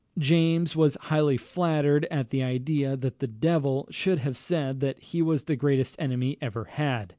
James was highly flattered at the idea that the devil should have said that he was the greatest enemy he ever had.